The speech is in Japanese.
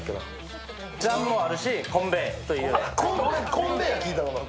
コンベは聞いたことある。